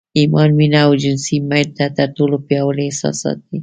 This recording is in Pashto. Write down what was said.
ايمان، مينه او جنسي ميل تر ټولو پياوړي احساسات دي.